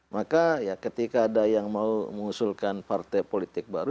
maka ya ketika ada yang mau mengusulkan partai politik baru